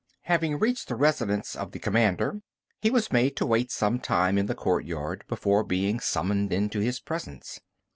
Having reached the residence of the commander, he was made to wait some time in the courtyard before being summoned into his presence.